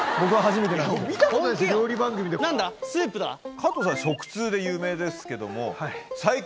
加藤さんは食通で有名ですけども。